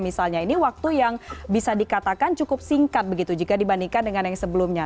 misalnya ini waktu yang bisa dikatakan cukup singkat begitu jika dibandingkan dengan yang sebelumnya